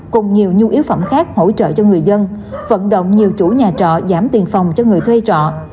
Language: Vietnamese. cùng nhiều nhu yếu phẩm khác hỗ trợ cho người dân vận động nhiều chủ nhà trọ giảm tiền phòng cho người thuê trọ